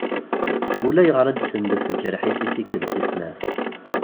Ulayɣer ad d-sendef lǧerḥ-is i tikkelt tis snat.